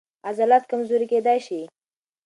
عضلات کمزوري کېدای شي.